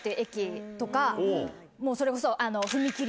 もうそれこそあの。